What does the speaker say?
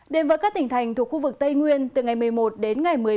đến với các tỉnh thành thuộc khu vực tây nguyên từ ngày một mươi một đến ngày một mươi năm